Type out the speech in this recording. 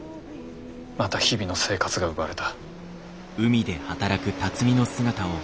また日々の生活が奪われた。